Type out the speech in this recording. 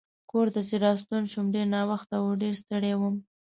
کور ته چې راستون شوم ډېر ناوخته و چې ډېر ستړی وم.